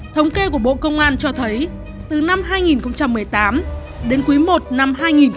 thống kê của bộ công an cho thấy từ năm hai nghìn một mươi tám đến cuối một năm hai nghìn hai mươi một